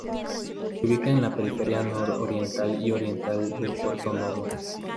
Se ubica en la periferia nororiental y oriental de Porto Novo.